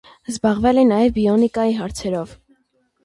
Զբաղվել է նաև բիոնիկայի հարցերով։